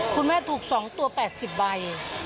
คุณแม่ถูก๒ตัว๘๐ใบ